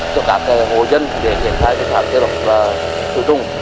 cho các hộ dân để hiển thái thực hành tiêu độc và khử trùng